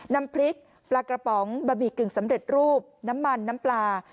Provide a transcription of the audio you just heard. น้ำพริกปลากระป๋องบะหมี่กึ่งสำเร็จรูปน้ำมันน้ำปลา